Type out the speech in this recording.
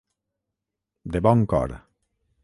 De bon cor.